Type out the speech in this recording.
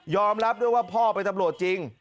ยอมรับว่าพ่อกูไปตำรวจไปจริง